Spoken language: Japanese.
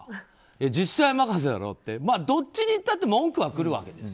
自治体任せだろってどっちにいったって文句は来るわけで。